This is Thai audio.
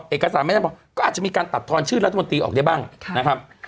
เอกสารไม่ได้พอก็อาจจะมีการตัดทอนชื่อรัฐมนตรีออกได้บ้างนะครับ